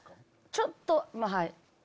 ちょっとまぁはい。